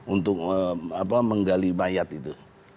untuk menggali mayat itu